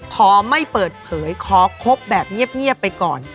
ขอไม่เปิดเผยขอคบแบบเงียบไปก่อน